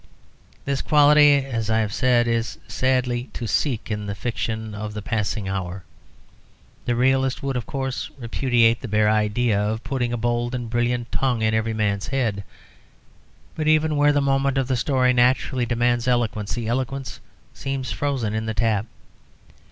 This quality, as I have said, is sadly to seek in the fiction of the passing hour. The realist would, of course, repudiate the bare idea of putting a bold and brilliant tongue in every man's head, but even where the moment of the story naturally demands eloquence the eloquence seems frozen in the tap.